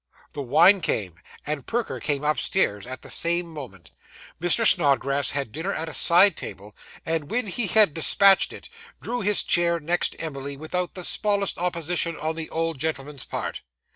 The wine came, and Perker came upstairs at the same moment. Mr. Snodgrass had dinner at a side table, and, when he had despatched it, drew his chair next Emily, without the smallest opposition on the old gentleman's part.